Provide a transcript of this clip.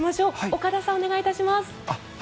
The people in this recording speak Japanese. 岡田さん、お願いします。